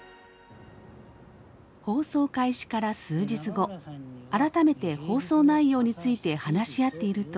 放送開始から数日後改めて放送内容について話し合っていると。